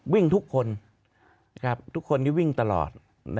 วิ่งทุกคนทุกคนที่วิ่งตลอด